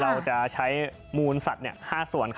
เราจะใช้มูลสัตว์๕ส่วน